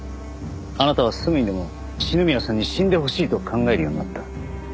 あなたはすぐにでも篠宮さんに死んでほしいと考えるようになった。